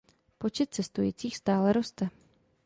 Počet cestujících stále roste.